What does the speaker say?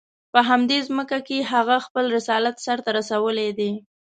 په همدې ځمکه کې هغه خپل رسالت سر ته رسولی دی.